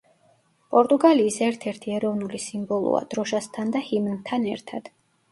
პორტუგალიის ერთ-ერთი ეროვნული სიმბოლოა, დროშასთან და ჰიმნთან ერთად.